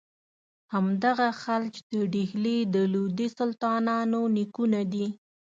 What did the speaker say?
همدغه خلج د ډهلي د لودي سلطانانو نیکونه دي.